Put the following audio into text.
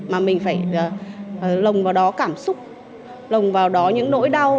mà mình phải lồng vào đó cảm xúc lồng vào đó những nỗi đau